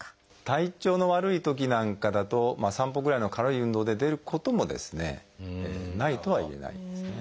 体調の悪いときなんかだと散歩ぐらいの軽い運動で出ることもないとは言えないんですね。